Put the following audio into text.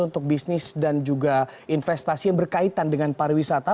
untuk bisnis dan juga investasi yang berkaitan dengan pariwisata